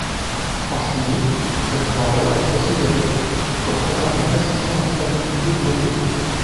En chimie, cette grandeur est considérée pour comparer facilement la stabilité de molécules.